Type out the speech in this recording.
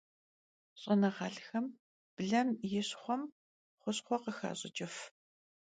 Ş'enığelh'xem blem yi şxhuem xuşxhue khıxaş'ıç'ıf.